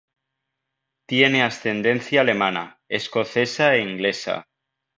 Tiene ascendencia alemana, escocesa e inglesa.